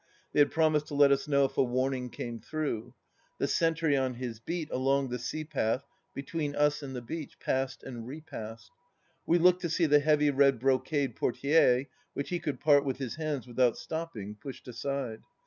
They had promised to let us know if a warning came through. The sentry on his beat along the sea path between us and the beach passed and re passed. We looked to see the heavy red brocade portidre, which he could part with his hands without stopping, pushed aside.